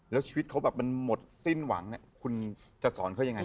แล้วชีวิตเขาแบบมันหมดสิ้นหวังเนี่ยคุณจะสอนเขายังไง